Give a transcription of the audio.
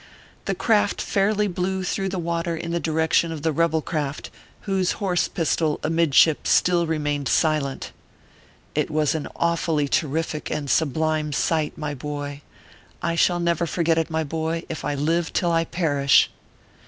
The craft fairly flew through the water in the direction of the rebel craft, whose horse pistol amidship still remained silent. ORPHEUS C. KERB PAPERS. 357 It was an awfully terrific and sublime sight, my boy. I shall never forget it, my boy, if I live till I perish.